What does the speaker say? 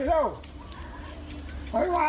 เจ้าให้ไว